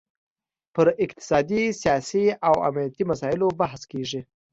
پر اقتصادي، سیاسي او امنیتي مسایلو بحث کیږي